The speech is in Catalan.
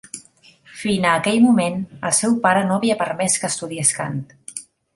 Fina aquell moment, el seu pare no havia permès que estudiés cant.